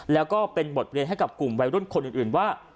แล้วก็เป็นบทเรียนให้กับกลุ่มวัยรุ่นคนอื่นว่า